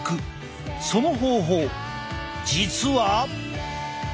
その方法実は。